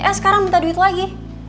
eh sekarang minta duit lagi